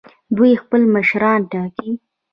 دوی خپل مشران ټاکي.